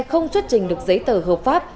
không xuất trình được giấy tờ hợp pháp